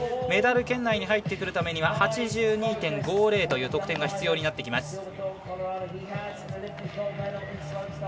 メダル圏内に入ってくるためには８２．５０という得点が必要になってきます。